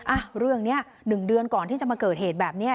อ่ะเรื่องนี้๑เดือนก่อนที่จะมาเกิดเหตุแบบนี้